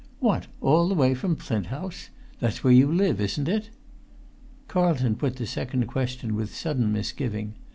"What! all the way from the Flint House? That's where you live, isn't it?" Carlton put the second question with sudden misgiving.